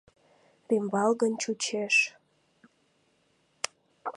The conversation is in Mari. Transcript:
Рӱмбалгын чучеш.